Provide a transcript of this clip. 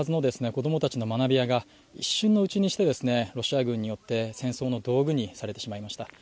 子供たちの学び舎が一瞬のうちにしてロシア軍によって戦争の道具にされてしまいました。